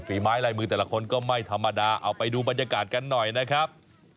ไม้ลายมือแต่ละคนก็ไม่ธรรมดาเอาไปดูบรรยากาศกันหน่อยนะครับ